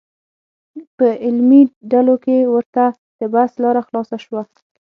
په علمي ډلو کې ورته د بحث لاره خلاصه شوه.